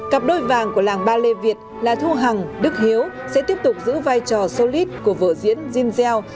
cặp đôi vàng của làng ballet việt là thu hằng đức hiếu sẽ tiếp tục giữ vai trò solid của vợ diễn jean shell